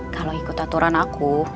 kalau ikut aturan aku